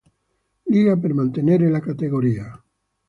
Liga, per mantenere la categoria.